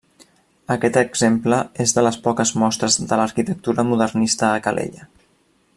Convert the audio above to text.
Aquest exemple és de les poques mostres de l'arquitectura modernista a Calella.